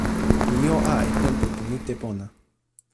mi jo a e tenpo pi mute pona.